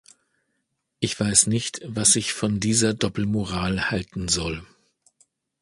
Ich weiß nicht, was ich von dieser Doppelmoral halten soll.